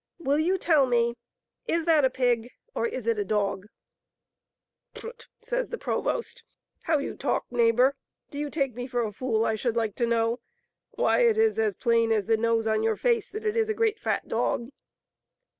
Will you tell me, is that a pig, or tf it a dog?" " Prut ! says the provost, " how you talk, neighbor ! Do you take me for a fool I should like to know ? Why, it is as plain as the nose on your face that it is a great, fat dog."